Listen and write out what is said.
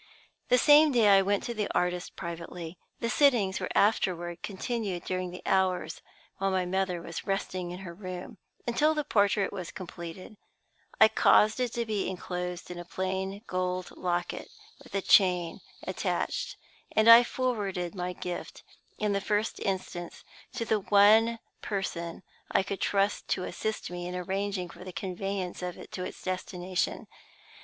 The same day I went to the artist privately. The sittings were afterward continued during the hours while my mother was resting in her room, until the portrait was completed. I caused it to be inclosed in a plain gold locket, with a chain attached; and I forwarded my gift, in the first instance, to the one person whom I could trust to assist me in arranging for the conveyance of it to its destination.